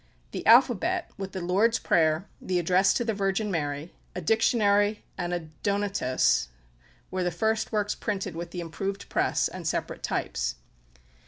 The Alphabet, with the "Lord's Prayer," the "Address to the Virgin Mary," a "Dictionary," and a "Donatus," were the first works printed with the improved press, and separate types.